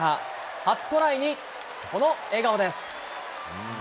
初トライにこの笑顔です。